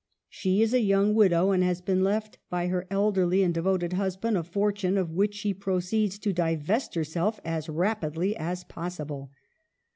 She is a young widow, and has been left by her elderly and devoted husband a fortune, of which she proceeds to divest herself as rapidly as possible.